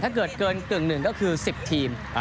ถ้าเกินกลึ่งหนึ่งก็คือสิบทีม